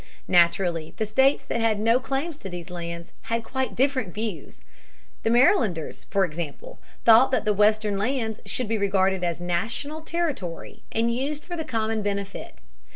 Naturally, the states that had no claims to these lands had quite different views. The Marylanders, for example, thought that the western lands should be regarded as national territory and used for the common benefit.